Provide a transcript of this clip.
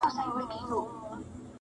نو دي ولي بنده کړې؛ بیا د علم دروازه ده,